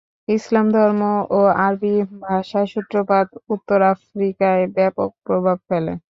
ইসলাম ধর্ম ও আরবি ভাষার সূত্রপাত উত্তর আফ্রিকায় ব্যাপক প্রভাব ফেলে।